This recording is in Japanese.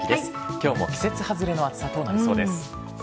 今日も季節外れの暑さとなりそうです。